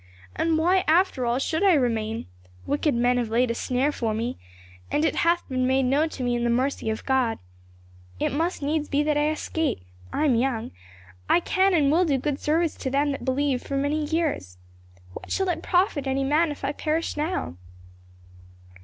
And why, after all, should I remain? Wicked men have laid a snare for me, and it hath been made known to me in the mercy of God. It must needs be that I escape; I am young, I can and will do good service to them that believe for many years. What shall it profit any man if I perish now?"